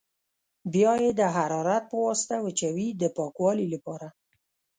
بیا یې د حرارت په واسطه وچوي د پاکوالي لپاره.